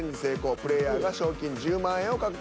プレイヤーが賞金１０万円を獲得。